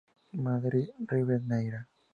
Madrid: Rivadeneyra.